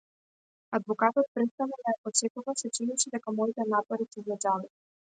Адвокатот престана да ја посетува се чинеше дека моите напори се за џабе.